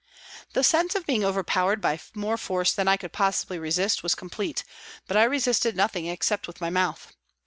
The sense of being overpowered by more force than I could possibly resist was com plete, but I resisted nothing except with my mouth.